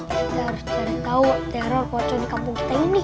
kita harus cari tau teror pocong di kampung kita ini